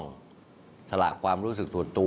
วันนี้นั้นผมจะมาพูดคุยกับทุกท่าน